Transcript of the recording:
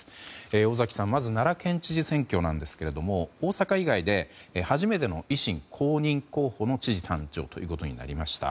尾崎さん、まず奈良県知事選挙なんですけど大阪以外で初めての維新公認候補の知事誕生となりました。